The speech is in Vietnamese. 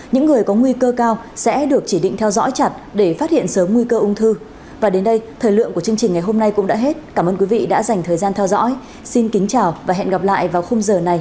những người có nguy cơ cao sẽ được chỉ định theo dõi chặt để phát hiện sớm nguy cơ ung thư